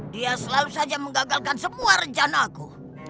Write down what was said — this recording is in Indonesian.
dia selalu saja menggagalkan semua rencanaku